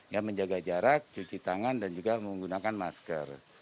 ya menjaga jarak cuci tangan dan juga menggunakan masker